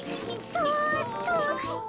そっと。